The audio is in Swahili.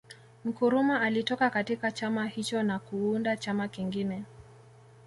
Nkrumah alitoka katika chama hicho na kuuunda chama kingine